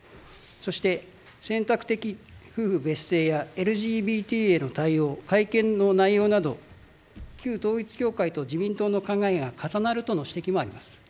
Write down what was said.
そして、選択的夫婦別姓やＬＧＢＴへの対応改憲の内容など旧統一教会と自民党の考えが重なるとの指摘もあります。